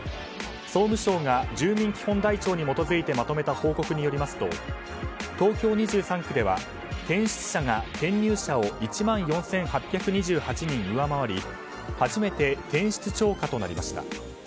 総務省が住民基本台帳に基づいてまとめた報告によりますと東京２３区では転出者が転入者を１万４８２８人上回り初めて転出超過となりました。